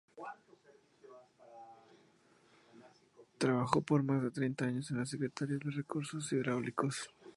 Trabajó por más de treinta años en la Secretaría de Recursos Hidráulicos.